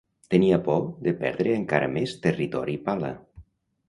Tenia por de perdre encara més territori Pala.